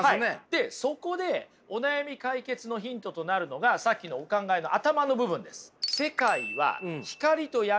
でそこでお悩み解決のヒントとなるのがさっきのお考えの頭の部分です。